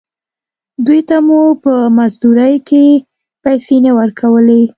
دوې ته مو په مزدورۍ کښې پيسې نه ورکولې.